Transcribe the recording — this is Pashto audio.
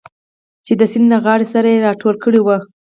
چې د سیند له غاړې سره یې راټول کړي و.